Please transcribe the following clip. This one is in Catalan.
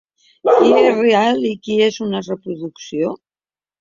Qui és real i qui és una reproducció?